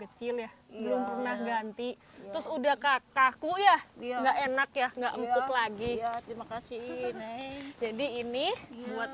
kecil ya belum pernah ganti terus udah kakakku ya enggak enak ya enggak empuk lagi terima kasih jadi ini buat